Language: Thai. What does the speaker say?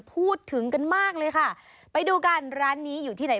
พูดถึงกันมากเลยค่ะไปดูกันร้านนี้อยู่ที่ไหน